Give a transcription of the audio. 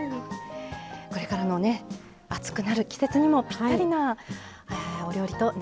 これからの暑くなる季節にもぴったりなお料理となりました。